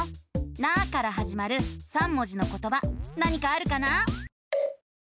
「な」からはじまる３文字のことば何かあるかな？